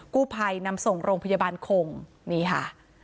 กู้ภัยนำส่งโรงพยาบาลคงนี่ค่ะ